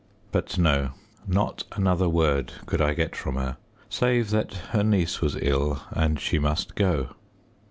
But no not another word could I get from her, save that her niece was ill and she must go.